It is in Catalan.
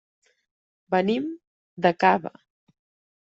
Venim de Cava.